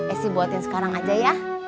eh sih buatin sekarang aja ya